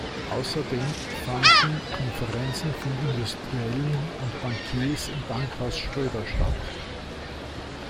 Außerdem fanden Konferenzen von Industriellen und Bankiers im Bankhaus Schröder statt.